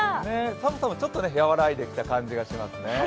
寒さもちょっと和らいできた感じがしますね。